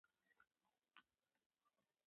هغه تل په خپلې خاموشۍ کې ژوند کوي.